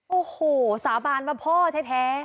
โอ้โหสาบานว่าพ่อแท้